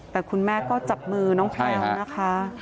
แต่คุณแม่ก็จับมือน้องแพลวนะคะ